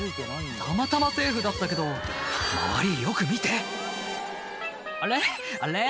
たまたまセーフだったけど周りよく見て「あれ？あれ？